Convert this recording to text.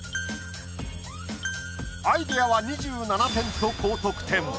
アイデアは２７点と高得点。